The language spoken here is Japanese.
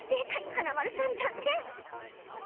華丸さん残念！